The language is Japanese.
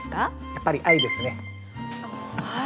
やっぱり「愛」ですね。